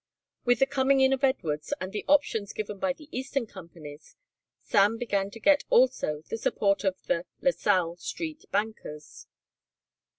With the coming in of Edwards and the options given by the eastern companies Sam began to get also the support of the LaSalle Street bankers.